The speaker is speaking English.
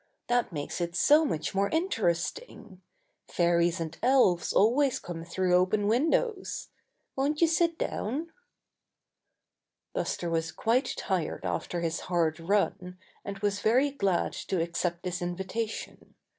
"That makes it so much more inter esting. Fairies and elves always come through open windows. Won't you sit down?" 103 104 Buster the Bear Buster was quite tired after his hard run, and was very glad to accept this invitation.